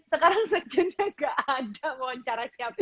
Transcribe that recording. sekarang sekjennya gak ada mau cara siapa